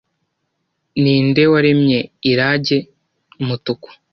Ninde waremye iranjye Umutuku